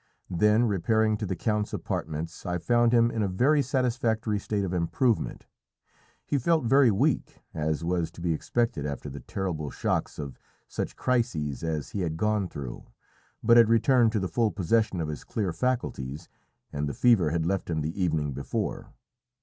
Then repairing to the count's apartments, I found him in a very satisfactory state of improvement. He felt very weak, as was to be expected after the terrible shocks of such crises as he had gone through, but had returned to the full possession of his clear faculties, and the fever had left him the evening before.